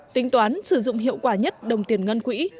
tính toán sử dụng hiệu quả nhất đồng tiền ngân quỹ